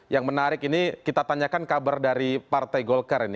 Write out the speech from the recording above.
yang menarik ini kita tanyakan kabar dari partai golkar ini